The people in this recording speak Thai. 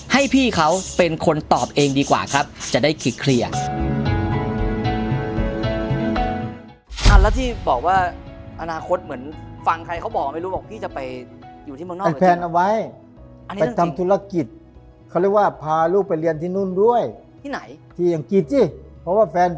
ให้พี่เขาเป็นคนตอบเองดีกว่าครับจะได้เคลียร์